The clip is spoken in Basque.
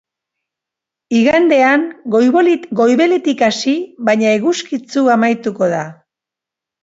Igandean, goibeletik hasi baina eguzkitsu amaituko da.